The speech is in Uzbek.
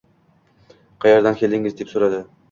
–Kayerdan keldingiz? – deb suradi.